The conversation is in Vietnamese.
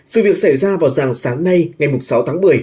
sự việc xảy ra vào dạng sáng nay ngày sáu tháng một mươi